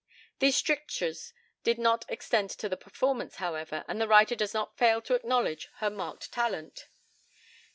These strictures did not extend to the performance, however, and the writer does not fail to acknowledge her marked talent.